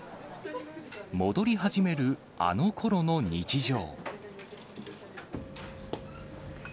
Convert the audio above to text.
戻り始めるあのころの日常。